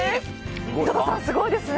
井戸田さん、すごいですね！